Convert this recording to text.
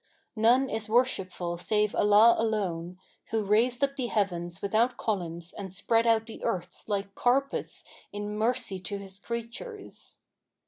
None is worshipful save Allah alone, who raised up the heavens without columns and spread out the earths like carpets in mercy to His creatures.'